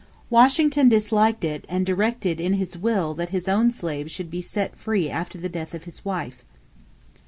Washington disliked it and directed in his will that his own slaves should be set free after the death of his wife.